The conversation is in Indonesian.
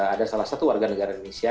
ada salah satu warga negara indonesia